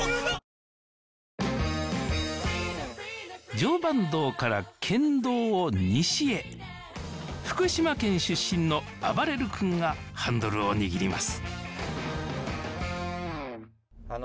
常磐道から県道を西へ福島県出身のあばれる君がハンドルを握ります